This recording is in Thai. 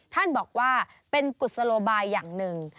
ท่านบอกว่าเป็นกุศโลบายอย่างหนึ่ง